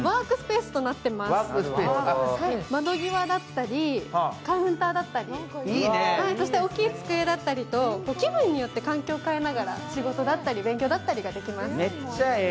窓際だったりカウンターだったり、そして大きい机だったりと気分によって環境を変えながら仕事だったり勉強だったりができます。